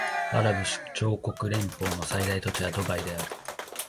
アラブ首長国連邦の最大都市はドバイである